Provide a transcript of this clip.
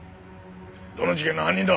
どの事件の犯人だ？